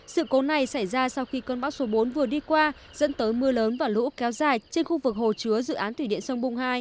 sự cố này xảy ra sau khi cơn bão số bốn vừa đi qua dẫn tới mưa lớn và lũ kéo dài trên khu vực hồ chứa dự án thủy điện sông bung hai